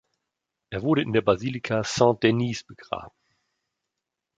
Er wurde in der Basilika Saint-Denis begraben.